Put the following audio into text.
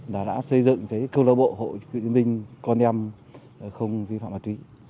đã xây dựng cơ lộ bộ hội cựu chuyên binh con em không vi phạm ma túy